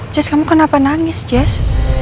jees kamu kenapa nangis jess